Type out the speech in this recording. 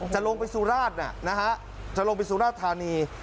จะลงไปสุราชนะฮะจะลงไปสุราธานี